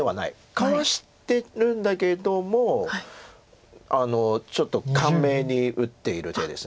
かわしてるんだけどもちょっと簡明に打っている手です。